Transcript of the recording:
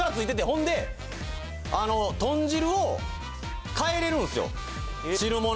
ほんで豚汁を替えれるんすよ汁物。